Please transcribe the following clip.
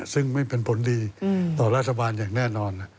ซึ่งไม่เป็นผลดีต่อรัฐบาลอย่างแน่นอน